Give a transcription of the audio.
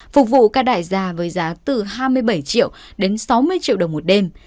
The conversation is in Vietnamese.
phục vụ các đại gia với giá từ hai mươi bảy triệu đến sáu mươi triệu đồng một đêm